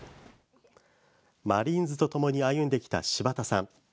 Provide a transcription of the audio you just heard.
マリーンズとともに歩んできた柴田さん。